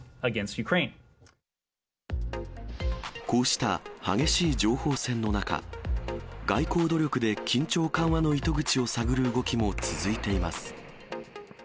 こうした激しい情報戦の中、外交努力で緊張緩和の糸口を探る動きも続いています。